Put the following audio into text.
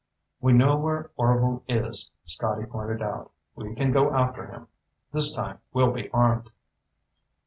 "We know where Orvil is," Scotty pointed out. "We can go after him. This time we'll be armed."